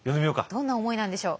どんな思いなんでしょう。